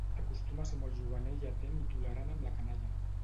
Acostuma a ser molt juganer i atent i tolerant amb la canalla.